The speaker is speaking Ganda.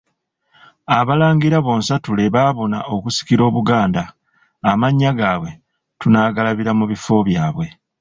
Abalangira bonsatule baabuna okusikira Obuganda, amannya gaabwe tunaagalabira mu bifo byabwe.